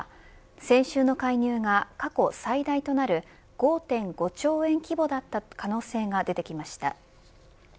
先週の介入が過去最大となる５．５兆円規模だった可能性が出てきました。